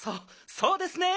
そうですね。